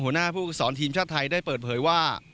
หัวหน้าผู้ฝึกศรทีมชาติไทยได้เปิดเผยว่า